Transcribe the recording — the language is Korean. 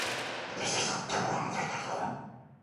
조그만 거루는 선객과 짐을 받아 싣고 선창으로 들어와 닿았다.